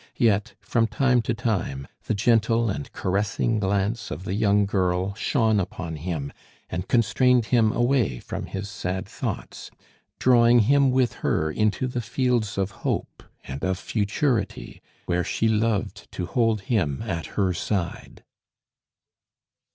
Yet, from time to time, the gentle and caressing glance of the young girl shone upon him and constrained him away from his sad thoughts, drawing him with her into the fields of hope and of futurity, where she loved to hold him at her side.